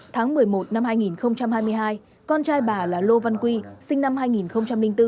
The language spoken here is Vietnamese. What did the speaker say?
tháng một mươi một năm hai nghìn hai mươi hai con trai bà là lô văn quy sinh năm hai nghìn bốn